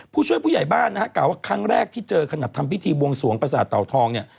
ผู้ช่วยผู้ใหญ่บ้านนะฮะกล่าวว่าครั้งแรกที่เจอขนาดทำพิธีบวงสวงประสาทเต่าทองเนี่ย